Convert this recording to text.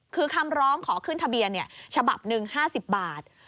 คือคำร้องขอขึ้นทะเบียนฉบับหนึ่ง๕๐บาท